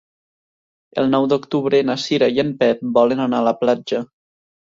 El nou d'octubre na Cira i en Pep volen anar a la platja.